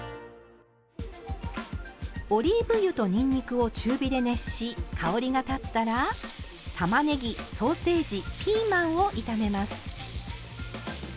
オリーブ油とにんにくを中火で熱し香りが立ったらたまねぎソーセージピーマンを炒めます。